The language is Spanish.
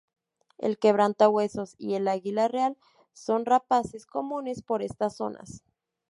El quebrantahuesos y el águila real son rapaces comunes por estas zonas.